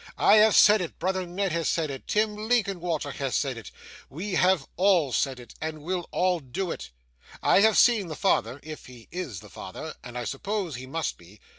I have said it, brother Ned has said it, Tim Linkinwater has said it. We have all said it, and we'll all do it. I have seen the father if he is the father and I suppose he must be.